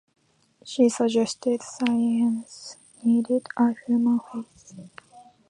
She suggested science needed a human face.